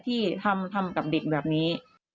ที่ทำกับเด็กแบบนี้